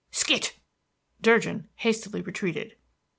"Skit!" Durgin hastily retreated.